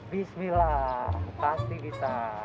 bismillah kasih gita